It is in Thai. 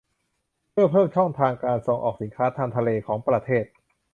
เพื่อเพิ่มช่องทางการส่งออกสินค้าทางทะเลของประเทศ